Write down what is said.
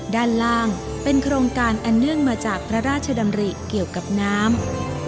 ด้านล่างเป็นโครงการอันเนื่องมาจากพระราชดำริเกี่ยวกับน้ำ